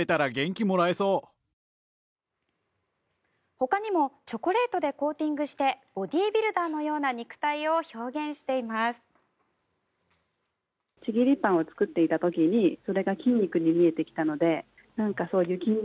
ほかにもチョコレートでコーティングしてボディービルダーのような肉体を表現しています。